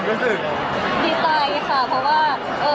เกลียวไฟแฟนแล้วมันยังไม่ว่างเกลียว